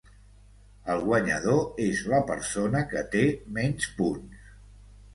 El guanyador és la persona que té menys punts.